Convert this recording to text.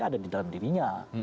ada di dalam dirinya